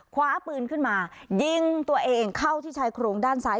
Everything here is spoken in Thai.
คว้าปืนขึ้นมายิงตัวเองเข้าที่ชายโครงด้านซ้าย